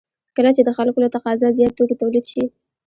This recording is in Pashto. کله چې د خلکو له تقاضا زیات توکي تولید شي